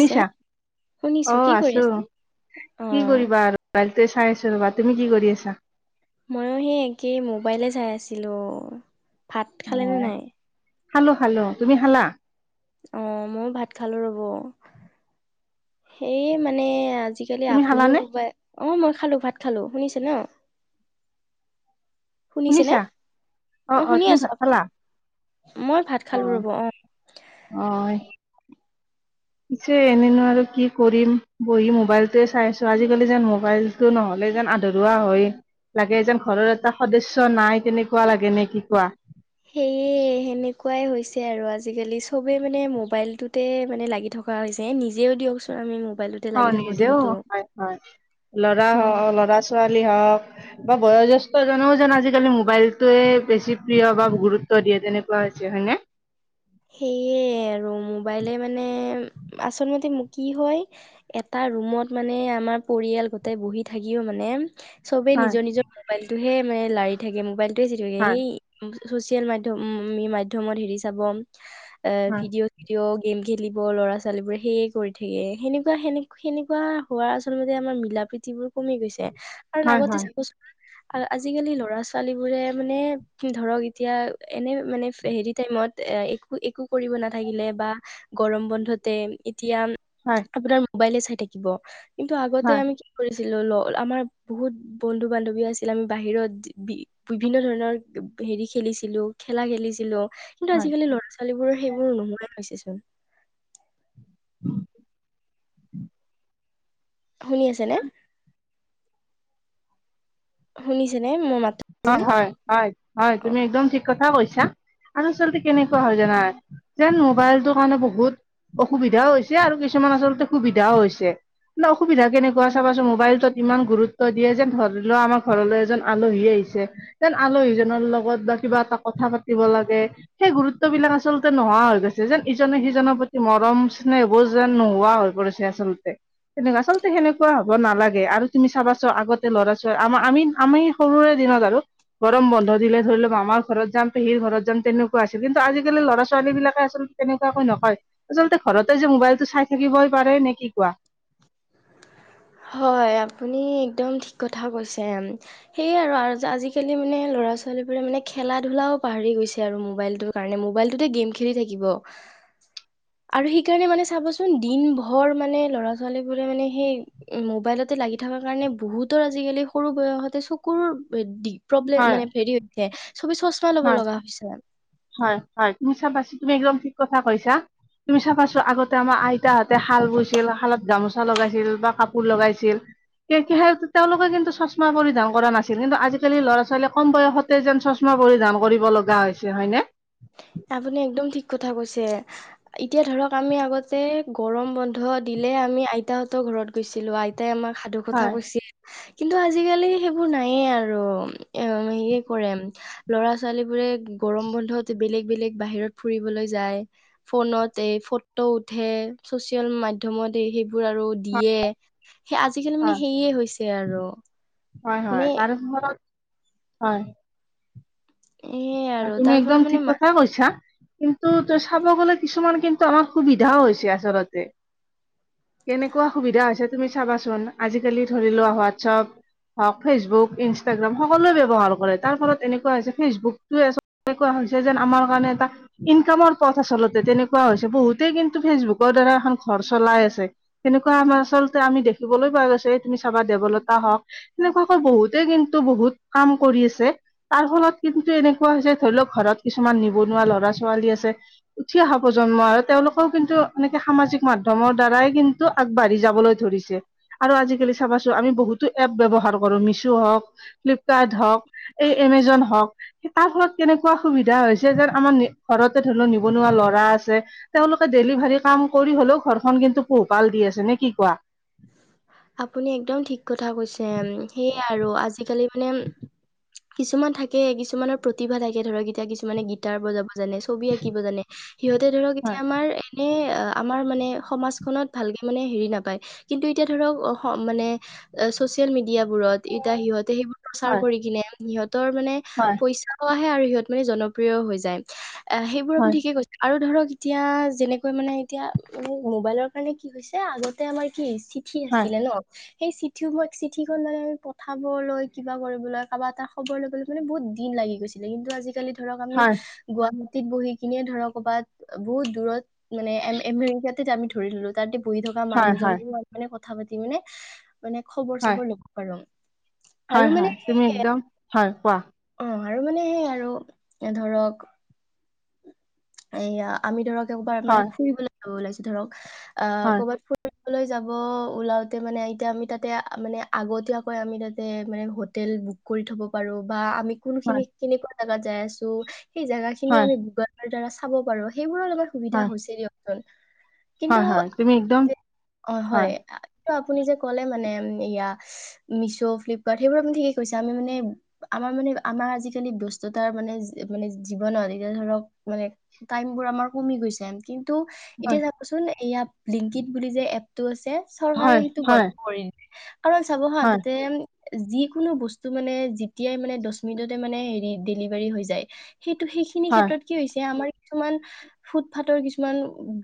পিছে শুনিছো কি অ' কৰি আছো আছ অ কি কৰিবা আৰু মোবাইলকে চাই আছো। ৰ'বা, তুমি কি কৰি আছা? মইও সেই একে মোবাইলে চাই আছিলো। ভাত অ খালেনে নাই? খালো খালো, তুমি খালা? অ' মই ভাত খালো ৰ'ব সেই মানে আজিকালি তুমি আপুনিও খালানে মোবাই অ' মই খালো ভাত খালো শুনিছে ন? শুনিছেনে শুনিছা অ' শুনি তুমি আছো ভাত খালা আপোনাৰ। মই ভাত খালো ৰ'ব অ'। অই। পিছে এনেইনো আৰু কি কৰিম বহি মোবাইল য়ে চাই আছো আজিকালি যেন মোবাইলতটো নহ'লে। যেন আধৰুৱা হয়, লাগে যেন ঘৰৰ এটা সদস্য নাই তেনেকুৱা লাগে নে কি কোৱা। সেয়ে সেনেক সেনেকুৱাই হৈছে আৰু আজিকালি চবেই মানে মোবাইলটোতে মানে লাগি থকা হৈছে নিজেও দিয়কচোন আমি ম অ' নিজেও হয়, হয়, ল'ৰা হয় ল'ৰা ছোৱালী লি হওঁক বয়োজেষ্ঠ্য জন আজিকালি মোবাইলটোৱে বেছি প্ৰিয় বা গুৰুত্ব দিয়ে তেনেকুৱা হৈছে হয় নে? [inaudible] সেয়ে আৰু মোবাইলে মানে আচল মতে কি হয় এটাৰ ৰুমত মানে আমাৰ পৰিয়াল গোটে বহি থাকিও মানে চবেই হয় নিজৰ নিজৰ মোবাইলটোহে মানে লাৰি থাকে মোবাইলটোহে চিট থাকে হয় সেই ছ'চিয়েল মাধ্যম উম, উম, মাধ্যমত হেৰি চাব। অ' হয় ভিডিঅ' চিডিঅ গেম খেলিব ল'ৰা ছোৱালী বোৰে সেয়ে কৰি থাকে সেনেকুৱা সেনে সেনেকুৱা হোৱা আচলতে আমাৰ মিলা প্ৰীতি যিবোৰ কমি গৈছে, কাৰণ হয় আগতে হয় চাবচোন আ আজিকালি ল'ৰা ছোৱালী বোৰে মানে ধৰক এতিয়া এনে মানে হেৰি টাইমত এ একো কৰিব নাথাকিলে বা গৰম বন্ধতে এতিয়া হয় আপোনাৰ মোবাইলে চাই থাকিব কিন্তু আগতে হয় আমি কি কৰিছিলো। আমাৰ বহুত বন্ধু বান্ধৱী আছিল আমি বাহিৰত বি বিভিন্ন ধৰণৰ হেৰি খেলিছিলো, খেলা খেলিছিলো। কিন্তু হয় আজিকালি ল'ৰা ছোৱালীবোৰৰ সেইবোৰ নোহোৱা হৈছেচোন। [unintelligible] শুনি আছে নে, শুনিছে নে মোৰ মাত হয়, নে হয়, হয়, হয়, অ তুমি একদম ঠিক কথা কৈছা। আৰু আচলতে কেনেকুৱা হয় জানা যেন মোবাইলটো কাৰণে বহুত অসুবিধাও হৈছে আৰু কিছুমান আচলতে সুবিধাও হৈছে। মানে অসুবিধা কেনেকুৱা চাবাচোন মোবাইলটোত ইমান গুৰুত্ব দিয়ে যেন ধৰি লোৱা আমাৰ ঘৰলৈ এজন আলহী আহিছে। যেন আলহীজনৰ লগত বা কিবা এটা কথা পাতিব লাগে, সেই গুৰুত্ব বিলাক আচলতে নোহোৱা হৈ গৈছে যেন ইজনে সিজনৰ প্ৰতি মৰম স্নেহবোৰ যেন নোহোৱা হৈ পৰিছে, আচলতে। তেনেকুৱা আচলতে সেনেকুৱা হ'ব নালাগে আৰু তুমি চাবাচো আগতে ল'ৰা ছোৱালী আমাৰ আমি আমি সৰুৰে দিনত আৰু গৰম বন্ধ দিলে ধৰি লওঁক। মামা ঘৰত যাম, পেহীৰ ঘৰত যাম, তেনেকুৱা আছিল। কিন্তু আজিকালি ল'ৰা ছোৱালী বিলাক আচল তেনেকুৱাকৈ নকয় আচলতে ঘৰতে যে মোবাইলতটো চাই থাকিবই পাৰে নে কি কোৱা। [inaudible] হয়, আপুনি একদম ঠিক কথা কৈছে। সেয়ে আৰু আজিকালি মানে ল'ৰা ল'ৰা ছোৱালীবোৰে মানে খেলা ধূলাও পাহৰি গৈছে আৰু মোবাইলটোৰ কাৰণে মোবাইলটোতে গেম খেলি থাকিব। আৰু সেইকাৰণে মানে চাবচোন দিন ভৰ মানে ল'ৰা ছোৱালী বোৰে মানে সেই মোবাইলতে লাগি থকা কাৰণে বহুতৰ আজিকালি সৰু বয়সতে চকুৰ দি প্ৰব্লেম হয় মানে হেৰি হৈ থাকে। হয়, হয়, হয়, তুমি চাবাচো তুমি একদম ঠিক কথা কৈছা। তুমি চাবাচোন আগতে আমাৰ আইতাহঁতে শাল বৈছিল, শালত গামোচা লগাইছিল, বা কাপোৰ লগাইছিল। তেওঁলোকে কিন্তু চশমা পৰিধান কৰা নাছিল, কিন্তু আজিকালি ল'ৰা ছোৱালীয়ে কম বয়সতে যেন চশমা পৰিধান কৰিব লগা হৈছে হয়নে। [inaudible] আপুনি একদম ঠিক কথা কৈছে। এতিয়া ধৰক আমি আগতে গৰম বন্ধ দিলে। আমি আইতাহঁতৰ ঘৰত গৈছিলো। আইতাই আমাক সাধু কথা হয় কৈছে। কিন্তু আজিকালি সেইবোৰ নায়েই আৰু, এ হেৰি কৰে, ল'ৰা ছোৱালীবোৰে গৰমবন্ধত বেলেগ বেলেগ বাহিৰত ফুৰিবলৈ যায়, ফোনত এই ফটো উঠে, চচিয়েল মাধ্যমত সেইবোৰ আৰু দিয়ে, সেই আজিকালি মানে হয় সেইয়েই হৈছে আৰু। হয় মানে হয় আৰু ঘৰত, হয়। সেয়ে আৰু তুমি তাৰ একদম ফলত মানে ঠিক মা- কথা কৈছা। কিন্তু তই চাব গ'লে কিছুমান কিন্তু আমাৰ সুবিধাও হৈছে আচলতে। কেনেকুৱা সুবিধা হৈছে, তুমি চাবাচোন। আজিকালি ধৰি লোৱা, হোৱাটছপ হওক, ফেচবুক, ইনষ্টাগ্ৰাম সকলোৱেই ব্যৱহাৰ কৰে, তাৰফলত এনেকুৱা হৈছে ফেচবুক [inaudible] এনেকুৱা হৈছে যেন, আমাৰ কাৰণে এটা ইনকামৰ পথ আচলতে, তেনেকুৱা হৈছে। বহুতে কিন্তু ফেচবুকৰ দ্বাৰা এখন ঘৰ চলাই আছে, তেনেকুৱা আমাৰ আচলতে আমি দেখিবলৈ পোৱা গৈছে, এই তুমি চাবা দেৱলতা হওঁক তেনেকুৱাকৈ বহুতেই কিন্তু বহুত কাম কৰি আছে, তাৰফলত কিন্তু এনে কুৱা হৈছে, ধৰি লওক, ঘৰত কিছুমান নিবনুৱা ল'ৰা ছোৱালী আছে, উঠি অহা প্ৰজন্ম আৰু তেওঁলোকেও কিন্তু এনেকে সামাজিক মাধ্যমৰ দ্বাৰাই কিন্তু আগবাঢ়ি যাবলৈ ধৰিছে আৰু আজিকালি চাবাচোন আমি বহুতো এপ ব্যৱহাৰ কৰো, মিছো হওঁক, ফ্লিপকাৰ্ট হওঁক, এই এমেজন হওঁক তাৰফলত কেনেকুৱা সুবিধা হৈছে যেন, আমাৰ ঘৰতেই ধৰি ল' নিবনুৱা ল'ৰা আছে, তেওঁলোকে ডেলিভাৰী কাম কৰি হলেও ঘৰখন কিন্তু পোহপাল দি আছে, নে কি কোৱা? উ আপুনি একদম ঠিক কথা কৈছে, সেইয়াই আৰু আজিকালি মানে কিছুমান থাকে, কিছুমানৰ প্ৰতিভা থাকে ধৰক, এতিয়া কিছুমানে গীটাৰ বজাব জানে, ছবি আঁকিব জানে, সিহঁতে ধৰক এতিয়া হয় আমাৰ এনে আমাৰ মানে সমাজখনত ভালকে মানে হেৰি নাপায়, কিন্তু এতিয়া ধৰক, অ', মানে চচিয়েল মিডিয়াাবোৰত এতিয়া সিহঁতে সেইবোৰ প্ৰচাৰ হয় কৰি কিনে সিহঁতৰ মানে হয় পইচাও আহে আৰু সিহঁত মানে জনপ্ৰিয় হৈ যায়। অ', সেইবোৰ আপুনি হয় ঠিকেই কৈছে আৰু ধৰক এতিয়া যেনেকৈ মানে এতিয়া মোবাইলৰ কাৰণে কি হৈছে? আগতে আমাৰ কি চিঠি হয় আছিলে ন'। সেই চিঠি চিঠিখন মানে পঠাবলৈ, কিবা কৰিবলৈ, কাৰবা এটা খবৰ লবলৈ মানে বহুত দিন লাগি গৈছিলে, কিন্তু আজিকালি ধৰক, আমি হয় গুৱাহাটীত বহি কিনিয়েই ধৰক, ক'ৰবাত বহুত দূৰত মানে আমেৰিকাত আমি ধৰি ল'লো, তাতে বহি থকা হয় হয় মানুহজনেও মানে কথা পাতি মানে মানে খবৰ হয় চবৰ ল'ব পাৰো, হয় আৰু মানে হয় তুমি সেইকে একদম হয় কোৱা আৰু মানে সেই আৰু, ধৰক এইয়া, আমি ধৰক, একবাৰ মানে হয় ফুৰিবলৈ ওলাইছোঁ ধৰক, অ', হয় ক'বাত ফ যাব উলাওতে মানে এতিয়া আমি তাতে, মানে আগতীয়াকৈ আমি তাতে মানে হোটেল বুক কৰি থ'ব পাৰো, বা আমি কোনখিনি, হয় কেনেকুৱা জাগাত যাই আছোঁ, সেই জাগা খিনিও হয় আমি গুগলৰ দ্বাৰা চাব পাৰোঁ। সেইবোৰৰ সুবিধা হয় হৈছে দিয়ক, কিন্তু, হয় হয় তুমি একদম অ', হয়। আপুনি যে ক'লে মানে, এইয়া মিছ', ফ্লিপকাৰ্ট সেইবোৰ আপুনি ঠিকেই কৈছে, আমি মানে আমাৰ মানে আমাৰ আজিকালি ব্যস্ততাৰ মানে, মানে জীৱনত, এতিয়া ধৰক মানে টাইম বোৰ আমাৰ কমি গৈছে, কিন্তু এতিয়া চাবচোন এইয়া ব্লিংক ইট বুলি যে এপটো আছে, চৰকাৰে সেইটো হয়, হয়। বন্ধ কৰি দিলে। কাৰণ চাব হা, হয়, তাতে যিকোনো বস্তু মানে, যেতিয়াই মানে দহ মিনিটতে মানে হেৰি, ডেলিভাৰী হৈ যায়। সেইটো, সেইখিনি ক্ষেত্ৰত কি হৈছে? আমাৰ কিছুমান ফুট ফাটৰ কিছুমান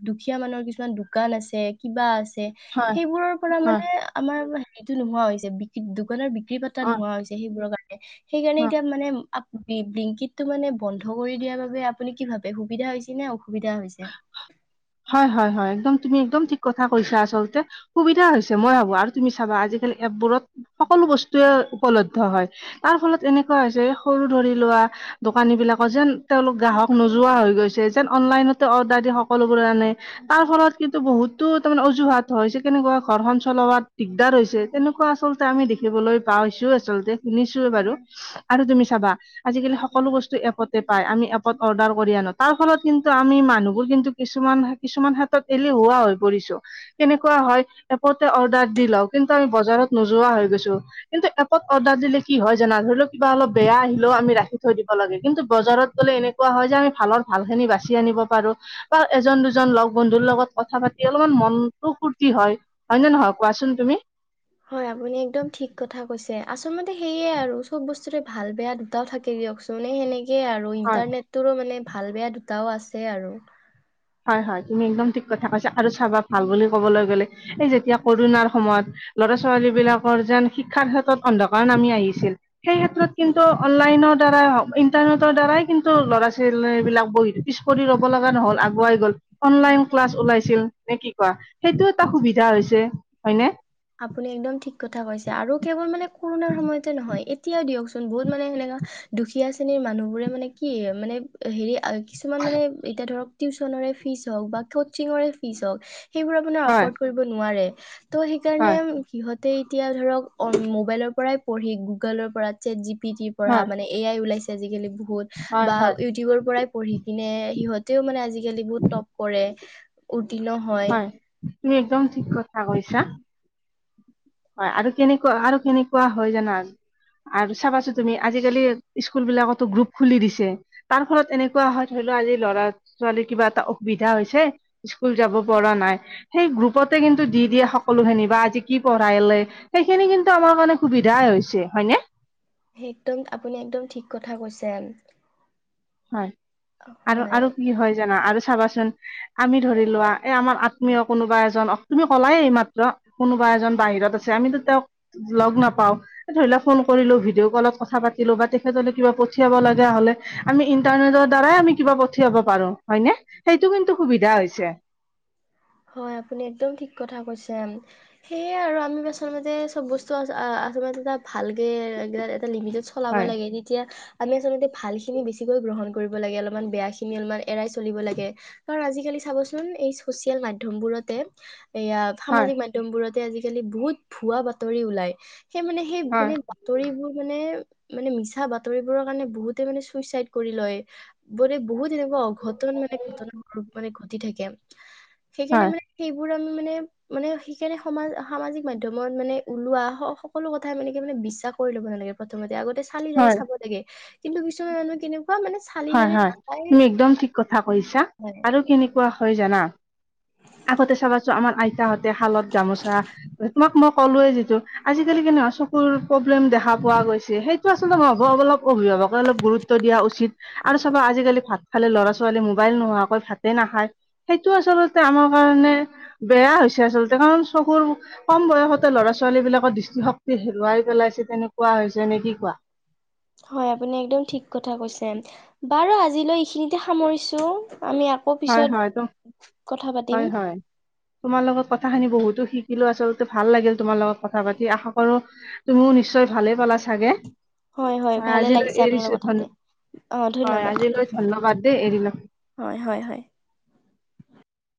দুখীয়া মানুৰ কিছুমান দোকান আছে, কিবা আছে হয়, সেইবোৰৰ পৰা মানে আমাৰ হেৰিটো নোহোৱা হৈছে, বিক দোকানৰ বি ক্ৰী পাতা নোহোৱা হৈছে, সেইবোৰৰ কাৰণে। সেইকাৰণে এতিয়া মানে ব্লিংকিতটো মানে বন্ধ কৰি দিয়াৰ বাবে, আপুনি কি ভাবে? সুবিধা হৈছে নে অসু হয়, হয়, হয়, একদম। একম কথা কৈছা, আচ সুবিা মই ভাবো আৰু তুমি চাবা আজালি এপবোৰত বস্তুুৱে উপলব্ধ হয়। তাৰ ফলত এনেকুৱা হৈছে, সৰু ধৰি লোৱা দোকানী বিলাকৰ যে যেন তেওঁলোক গ্ৰাহক নোযোৱা হৈ গৈছে, যেন অনলাইনত। অৰ্ডাৰ দিয়ে, সকলোবোৰে আনে তাৰ ফলত কিন্তু বহুতো তাৰমানে অজুহাত হৈছে কেনেকুৱা ঘৰখন চল [unintelligible] দিগদাৰ হৈছে, তেনেকুৱা আচলতে আমি দেখিবলৈ পাইছো। আচলতে শুনিছো বাৰু। ত' তুমি চাবা আজিকালি সকলো বস্তু এপতে পায়, আমি এপত অৰ্ডাৰ কৰি আনো তাৰ ফলত কিন্তু আমি মানুহবোৰ কিন্তু কিছুমান, কিছুমান হাতত এলে হুৱা হৈ পৰিছো কেনেকুৱা হয়। অৰ্ডাৰ দি লওঁ। কিন্তু আমি বজাৰত নোযোৱা হৈ গৈছো। কিন্তু এপত অৰ্ডাৰ দিলে কি হয় জানা ধৰি লও কিবা অলপ বেয়া আহিলেও, আমি ৰাখি থৈ দিব লাগে। কিন্তু বজাৰত গ'লে এনেকুৱা হয় যে আমি ভালৰ ভাল খিনি, বাচি বাচি আনিব পাৰো বা এজন, দুজন লগ বন্ধুৰ লগত কথা পাতি অলপমান মনটো ফূৰ্তি হয়। হয়, নে, নহয় কোৱাচোন তুমি? হয়, আপুনি একদম ঠিক কথা কৈছে, আচলতে সেইয়ে আৰু চব বস্তুৰে ভাল বেয়া দুটাও থাকে। দিয়কচোন এই সেনেকেই আৰু হয় ইণ্টাৰনেটটোৰো মানে ভাল বেয়া দুটাও আছে আৰু। হয়, হয়, তুমি একদম ঠিক কথা কৈছা আৰু চাবা ভাল বুলি কবলৈ গ'লে এই যেতিয়া কৰণাৰ সময়ত ল'ৰা, ছোৱালী বিলাকৰ যেন শিক্ষাৰ ক্ষেত্ৰত অন্ধকাৰ নামি আহিছিল। সেই ক্ষেত্ৰত কিন্তু অনলাইনত দ্বাৰ ইটাৰনেটৰ দ্বাৰাই কিন্তু ল'ৰা, ছোৱালী বিলাক বহ পিছ, পৰি ৰব লগা নহ'ল। বাই, গল অনলাইন ক্লাছ ওলাইছিল নে কি কোৱা সেইটো এটা সুবিধা হৈছে, হয়নে। আপুনি একদম ঠিক কথা কৈছে আৰু কেৱল মানে কৰোণাৰ সময়তে নহয়। এতিয়াও দিয়কচোন বহুত মানে সেনেকা দুখীয়া শ্ৰেণীৰ মানুহ বোৰে মানে কি মানে হেৰি কিছুমান মানে এতিয়া ধৰক টিউচনেৰে ফিজ হওঁক বা কচিঙৰে ফিজ হওক সেইবোৰ মানে হয় এফৰ্ড কৰিব নোৱাৰে ত' সেইকাৰণে হয় কিহত এই, এতিয়া ধৰক মোবাইলৰ পৰাই পঢ়ি গুগলৰ পৰা চেট জি পি টিৰ পৰা হয় মানে এয়াই ওলাইছে, আজিকালি বহুত হয় বা হয় ইউটিউবৰ পৰাই পঢ়ি কিনে সিহঁত তেওঁও মানে আজিকালি বহুত টপ কৰে উত্তীৰ্ণ হয়। তুমি একদম ঠিক কথা কৈছা। হয় আৰু কেনেকুৱা আৰু কেনেকুৱা হয়, জানান। আৰু চাবাচো তুমি আজিকালি স্কুল বিলাকতো গ্ৰুপ খুলি দিছে তাৰ ফলত এনেকুৱা হয়। আজি ল'ৰা, ছোৱালী কিবা এটা অসুবিধা হৈছে স্কুল যাব পঢ়ি নাই, সেই গ্ৰুপতে কিন্তু দি দিয়ে, সকলোখিনি বা আজি কি পঢ়াইে সেইখিনি কিন্তু আমাৰ [unintelligible] সুবিধা হেতোন আপুনি একদম ঠিক কথা কৈছে। হয়। আৰু, হয়, আৰু কি হয় জানা আৰু চাবাচোন আমি ধৰি লোৱা এই আমাৰ আত্মীয় বা এজন বাহিৰত আছে, আমিতো তেওঁক লগ নাপাওঁ, ধৰি লও ফোন কৰিলো ভিডিঅ' কলত কথা পাতিলো। বা তেখেতলে কিবা পঠিয়াব লগা হলে আমি ইন্টাৰনেটৰ দ্বাৰাই আমি কিবা পঠিয়াব পাৰো, হয়নে সেইটো কিন্তু সুবিধা হৈছে। [inaudible] হয়, আপুনি একদম ঠিক কথা কৈছে, সেয়ে আৰু আমি আচলতে চব বস্তু [unintelligible] ভালকে লিমিতত চলাব হয় লাগে, তেতিয়া আমি আচলতে ভাল খিনি বেছিকৈ গ্ৰহণ [unintelligible] অলমান বেয়াখিনি অল এৰাই চলিব কাৰণ আজিকালি চাবচোন, চচিয়েল মাধ্য মাধ্যম বোৰতে এয়া হয় সামাজিক মাধ্যম বোৰতে আজিকালি বহুত ভুৱা বাতৰি ওলাই। সেই মানে সেই হয় মানে বাতৰিবোৰ মানে মানে মিছা বাতৰিবোৰৰ কাৰণে বহুতে মানে চুইচাইড কৰি লয় বোৰে বহুত তেনেকুৱা অঘটন মানে ঘটনা [unintelligible] ঘটি থাকে সেইকাৰণে হয় মানে সেইবোৰ আমি মানে মানে সেইকাৰণে সমাজ সামাজিক মাধ্যমত ওলোৱা সকলো কথাই মানে কি মানে বিশ্বাস কৰি ল'ব নালাগে প্ৰথমতে আগতে চালি জাৰি হয় হয় চাব লাগে কিন্তু [unintelligible] চালি হয়, জাৰি হয় নাচাই তুমি একদম ঠিক কথা কৈছা মানে আৰু কেনেকুৱা হয় জানা? আগতে চাবাচোন আমাৰ আইতাহঁতে সলোৱে যিটো আজিকালি কেনেকুৱা চকুৰ প্ৰব্লেম দেখা পোৱা গৈছে। সেইটো আচলতেই [unintelligible] অভিভাৱকে অলপ গুৰুত্ব দিয়া উচিত আৰু চবা আজিকালি ভাত খালে ল'ৰা, ছোৱালী মোবাইল নোহোৱাকৈ ভাতে নাখায়, সেইটো আচলতে আমাৰ কাৰণে বেয়া হৈছে, আচলতে কাৰণ চকুৰ কম বয়সতে ল'ৰা ছোৱালীবিলাকৰ দিষ্ট শক্তি হেৰুৱাই পেলাইছে, কেনেকুৱা হৈছে নেকি কোৱা। হয় আপুনি একদম ঠিক কথা কৈছে বাৰু আজিলৈ এইখিনিতে সামৰিছোঁ। আমি আকৌ হয় হয় তো পিছত কথা হয় পাতিম। হয় তোমাৰ লগত কথাখিনি বহুতো শিকিলো আচলতে ভাল লাগিল তোমাৰ লগত কথা পাতি আশা কৰো তুমিও নিশ্চয় ভালে পালা চাগে, হয় হয় মই ভালে লাগিছে আজিলৈ আপোনাৰ এৰিছো লগত কথা ধন পাতি অ হয়। ধন্যবাদ আজিলিলৈ ধন্যবাদ দে এৰিলো। হয় হয় হয়